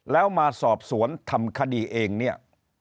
แล้วมาสอบสวนทำคดีเองเนี่ย